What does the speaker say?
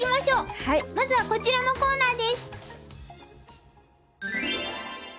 まずはこちらのコーナーです。